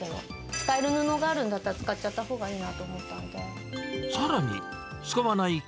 使える布があるんだったら、使っちゃったほうがいいなと思っさらに